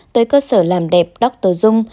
tới cơ sở làm đẹp dr dung